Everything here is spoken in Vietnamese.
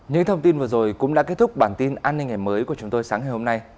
những thông tin vừa rồi cũng đã kết thúc bản tin an ninh ngày mới của chúng tôi sáng ngày hôm nay